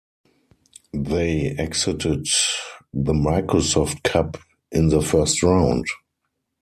They exited the Microsoft Cup in the first round.